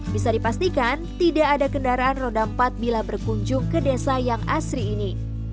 bisa dipastikan tidak ada kendaraan roda empat bila berkunjung ke desa yang asri ini